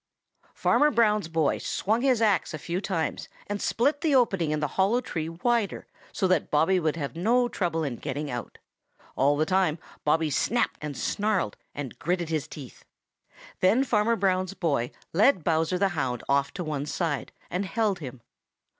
Farmer Brown's boy swung his axe a few times and split the opening in the hollow tree wider so that Bobby would have no trouble in getting out. All the time Bobby snapped and snarled and gritted his teeth. Then Farmer Brown's boy led Bowser the Hound off to one side and held him.